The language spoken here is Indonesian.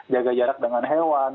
jaga jarak dengan hewan